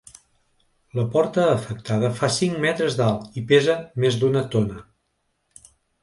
La porta afectada fa cinc metres d’alt i pesa més d’una tona.